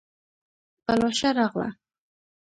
پلوشه راغله